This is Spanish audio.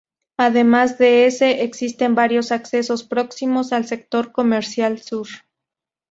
Además de ese, existen varios accesos próximos al Sector Comercial Sur.